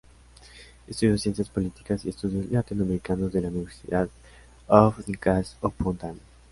Estudió Ciencias Políticas y Estudios Latinoamericanos de la University of New Castle Upon Time.